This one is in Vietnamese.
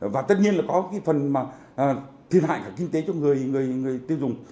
và tất nhiên là có phần thiên hại kinh tế cho người tiêu dùng